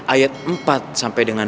ayat empat sampai dengan